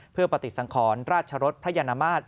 เพื่อปฏิสังขรรค์ราชรสพญานมาส